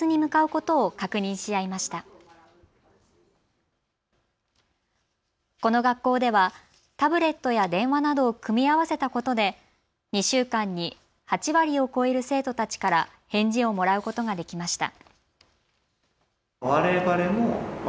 この学校ではタブレットや電話などを組み合わせたことで２週間に８割を超える生徒たちから返事をもらうことができました。